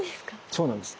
そうなんです。